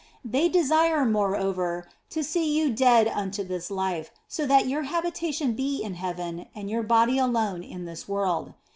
They desire, moreover, to see you dead unto this life, so that your habitation be in heaven and your body alone in this world.